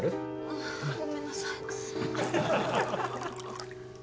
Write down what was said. ああごめんなさい。